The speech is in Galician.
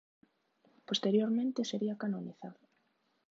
Posteriormente sería canonizado.